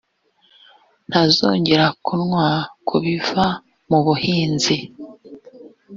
ntazongera kunywa ku biva mubuhinzi